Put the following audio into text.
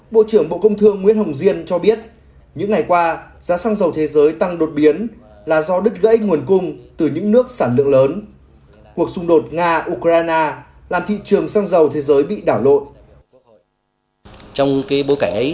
bộ trưởng bộ công thương nguyễn hồng diên cho biết những ngày qua giá xăng dầu thế giới tăng đột biến là do đứt gãy nguồn cung từ những nước sản lượng lớn